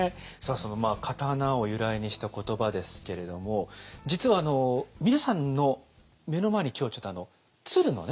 その刀を由来にした言葉ですけれども実は皆さんの目の前に今日はちょっと鶴のね